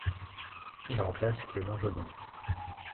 Il remplace Clément Jodoin.